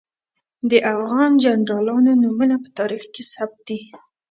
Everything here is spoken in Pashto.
د افغان جنرالانو نومونه په تاریخ کې ثبت دي.